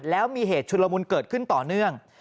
แล้วมีเหตุชุลมุนเกิดขึ้นต่อเนื่อง